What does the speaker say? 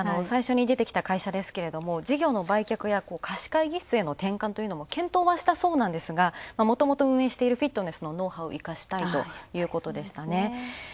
最初に出てきた会社ですけれども、事業の売却や貸し会議室への転換というのも検討はしたそうなんですが、もともと運営しているフィットネスのノウハウを生かしたいということでしたね。